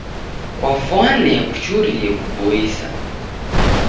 Kwafwane kuchurie kuboisa.